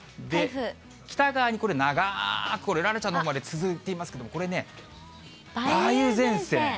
北側にこれ、長ーく、楽々ちゃんのほうまで続いていますけれども、これね、梅雨前線。